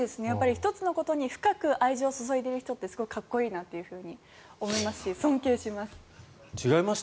１つのことに深く愛情を注いでいる人ってすごくかっこいいなと思いますし尊敬します。